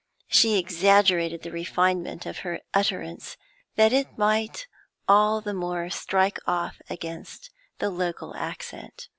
She exaggerated the refinement of her utterance that it might all the more strike off against the local accent.